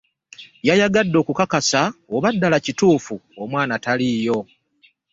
Yayagadde okukakasa oba ddala kituufu omwana taliiyo